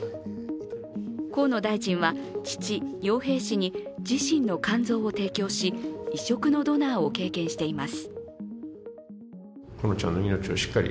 河野大臣は、父・洋平氏に自身の肝臓を提供し、移植のドナーを経験しています。